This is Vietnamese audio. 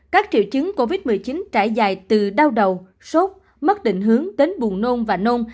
các triệu chứng covid một mươi chín trải dài từ đau đầu sốt mất định hướng đến buồn nôn và nôn